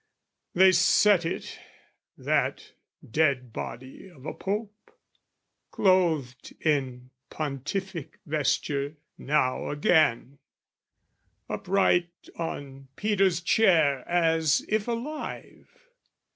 "They set it, that dead body of a Pope, "Clothed in pontific vesture now again, "Upright on Peter's chair as if alive.